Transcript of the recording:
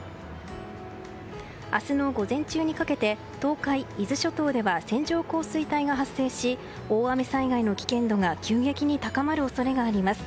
明日の午前中にかけて東海、伊豆諸島では線状降水帯が発生し大雨災害の危険度が急激に高まる恐れがあります。